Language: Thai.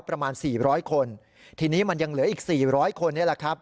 ประมาณ๔๐๐คนทีนี้มันยังเหลืออีก๔๐๐คน